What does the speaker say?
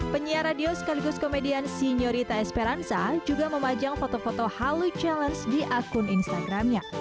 penyiar radio sekaligus komedian signyorita esperansa juga memajang foto foto halu challenge di akun instagramnya